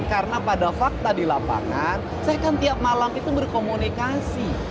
karena pada fakta di lapangan saya kan tiap malam itu berkomunikasi